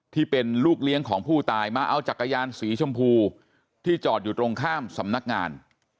ที่เป็นลูกเลี้ยงของผู้ตายมาเอาจักรยานสีชมพูที่จอดอยู่ตรงข้ามสำนักงาน